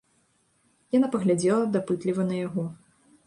Яна паглядзела дапытліва на яго.